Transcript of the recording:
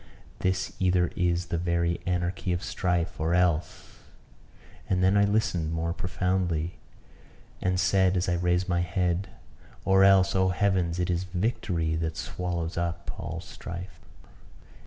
this either is the very anarchy of strife, or else" and then I listened more profoundly, and said as I raised my head "or else, oh heavens! it is victory that swallows up all strife."